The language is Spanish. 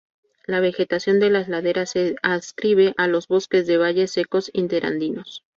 La vegetación de las laderas se adscribe a los bosques de valles secos interandinos.